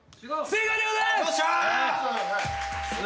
正解でございます！